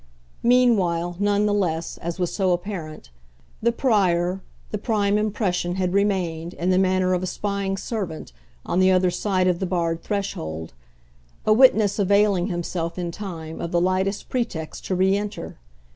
Meanwhile, none the less, as was so apparent, the prior, the prime impression had remained, in the manner of a spying servant, on the other side of the barred threshold; a witness availing himself, in time, of the lightest pretext to re enter.